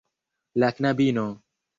La knabino.